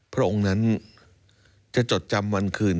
พระองค์นั้นจะจดจำวันคืน